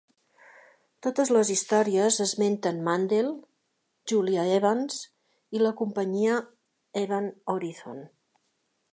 Totes les històries esmenten Mandel, Julia Evans i la companyia Event Horizon.